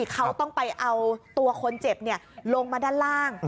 เขาต้องไปเอาตัวคนเจ็บลงมาด้านล่าง